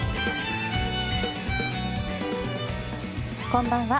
こんばんは。